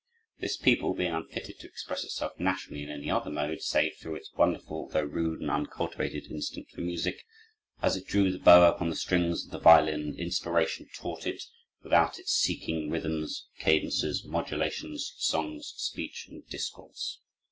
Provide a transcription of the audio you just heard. This people, being unfitted to express itself nationally in any other mode save through its wonderful, though rude and uncultivated, instinct for music, "as it drew the bow upon the strings of the violin, inspiration taught it, without its seeking, rhythms, cadences, modulations, songs, speech, and discourse.